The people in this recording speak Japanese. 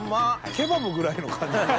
ケバブぐらいの感じ。